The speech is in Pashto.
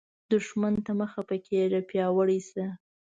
دښمن ته مه خفه کیږه، پیاوړی شه